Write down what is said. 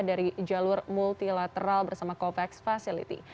dari jalur multilateral bersama covax facility